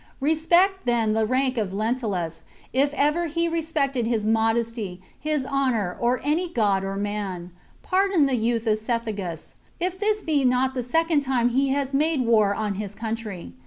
Respect then the rank of Lentulus, if ever he respected his modesty, his honour, or any god or man. Pardon the youth of Cethegus, if this be not the second time he has made war on his country.